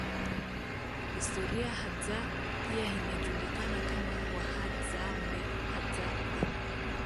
Historia Hadza pia inajulikana kama Wahadzabe Hadzapi